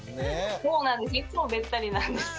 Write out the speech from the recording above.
そうなんですいつもべったりなんです。